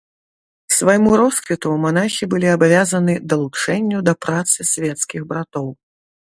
Свайму росквіту манахі былі абавязаны далучэнню да працы свецкіх братоў.